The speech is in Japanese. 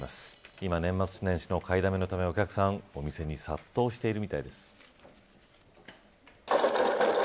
今、年末年始の買いだめのため、お客さんがお店に殺到しているみたいです。